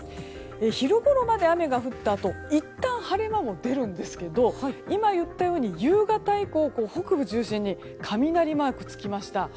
昼頃まで雨が降ったあといったん晴れ間も出るんですけど今言ったように夕方以降、北部中心に雷マークがつきました。